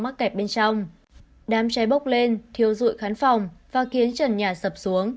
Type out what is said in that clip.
mắc kẹp bên trong đam cháy bốc lên thiêu dụi khán phòng và khiến trần nhà sập xuống